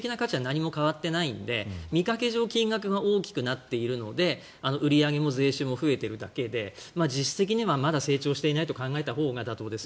でも実質的な価値は何も変わっていないので見かけ上金額が大きくなっているので売り上げも税収も増えているだけで実質的にはまだ成長していないと考えたほうが妥当です。